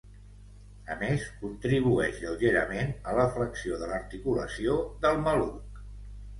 A més, contribueix lleugerament a la flexió de l'articulació del maluc.